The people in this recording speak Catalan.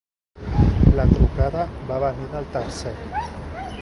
La trucada va venir del tercer.